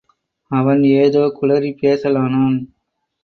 அவன் ஏதோ குளறிப் பேசலானான்.